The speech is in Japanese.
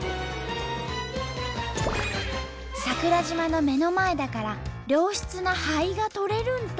桜島の目の前だから良質な灰がとれるんと！